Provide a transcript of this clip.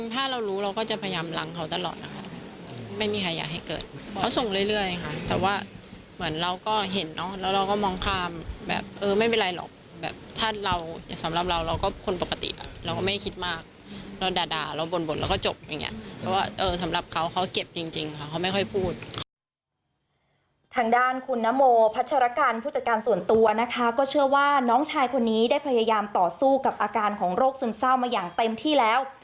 ทางด้านคุณนโมพัชรกันผู้จัดการส่วนตัวนะคะก็เชื่อว่าน้องชายคนนี้ได้พยายามต่อสู้กับอาการของโรคซึมเศร้ามาอย่างเต็มที่แล้ว